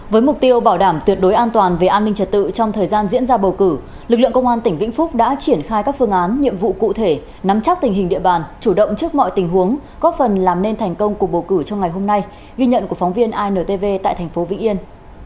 với mục tiêu bảo đảm tuyệt đối an toàn về an ninh trật tự trong thời gian diễn ra bầu cử lực lượng công an tỉnh vĩnh phúc đã triển khai các phương án nhiệm vụ cụ thể nắm chắc tình hình địa bàn chủ động trước mọi tình huống góp phần làm nên thành công cuộc bầu cử trong ngày hôm nay ghi nhận của phóng viên intv tại thành phố vĩnh yên